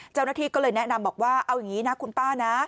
เจ้าหน้าที่ก็เลยแนะนำบอกว่าเอาอย่างนี้นะคุณป้านะ